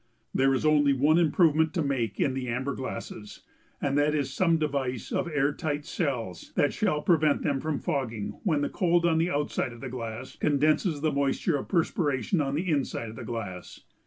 There is only one improvement to make in the amber glasses, and that is some device of air tight cells that shall prevent them from fogging when the cold on the outside of the glass condenses the moisture of perspiration on the inside of the glass.